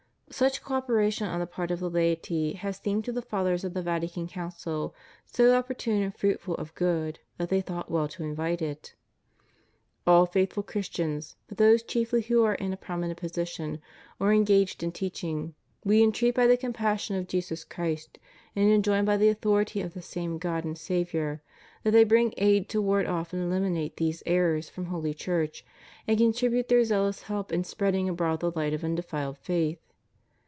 Such co operation on the part of the laity has seemed to the Fathers of the Vatican Council so opportune and fruitful of good that they thought well to invite it. "All faithful Christians, but those chiefly who are in a prominent position, or engaged in teaching, we entreat, by the compassion of Jesus Christ, and enjoin by the authority of the same God and Saviour, that they bring aid to ward off and eliminate these errors from Holy Church, and contribute their zealous help in spreading abroad the light of undefiled faith."